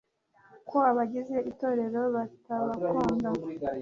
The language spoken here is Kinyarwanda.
ko abagize itorero batabakunda